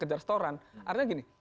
kejar setoran artinya gini